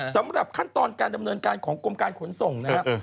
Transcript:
สำหรับขั้นตอนการดำเนินการของกรมการขนส่งนะครับ